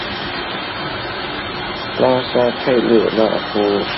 拉沙佩勒纳夫。